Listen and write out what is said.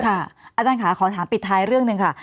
อาจารย์ค่ะขอถามปิดท้ายเรื่องหนึ่งค่ะ